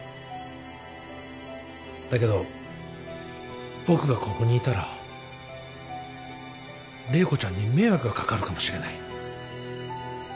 だけど僕がここにいたら麗子ちゃんに迷惑が掛かるかもしれない。